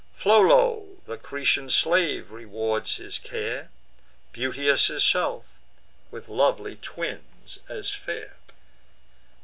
Pholoe, the Cretan slave, rewards his care, Beauteous herself, with lovely twins as fair.